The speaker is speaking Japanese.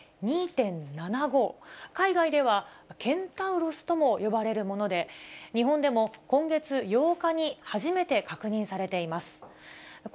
ＢＡ．２．７５、海外ではケンタウロスとも呼ばれるもので、日本でも今月８日に初めて確認されています。